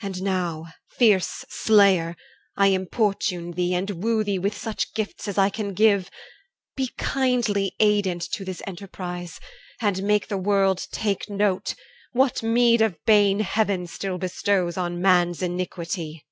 And now, fierce slayer, I importune thee, And woo thee with such gifts as I can give, Be kindly aidant to this enterprise, And make the world take note, what meed of bane Heaven still bestows on man's iniquity.